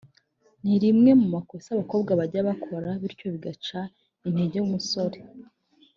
ni rimwe mu makosa abakobwa bajya bakora bityo bigaca intege umusore